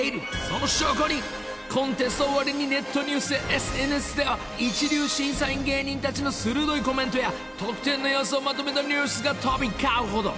［その証拠にコンテスト終わりにネットニュースやＳＮＳでは一流審査員芸人たちの鋭いコメントや得点の様子をまとめたニュースが飛び交うほど］